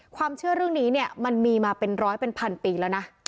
ความเชื่อเรื่องนี้เนี่ยมันมีมาเป็นร้อยเป็นพันปีแล้วนะ